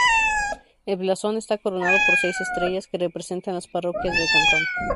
El blasón está coronado por seis estrellas, que representan las parroquias del cantón.